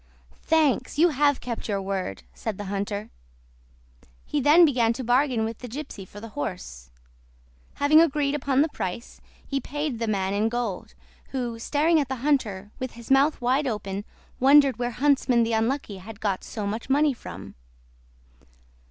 "Thanks! you have kept your word," said the hunter. He then began to bargain with the gypsy for the horse. Having agreed upon the price, he paid the man in gold, who, staring at the hunter with his mouth wide open, wondered where Huntsman the Unlucky had got so much money from.